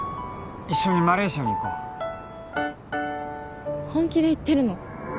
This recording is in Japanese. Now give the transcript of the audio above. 一緒にマレーシアに行こう本気で言ってるの？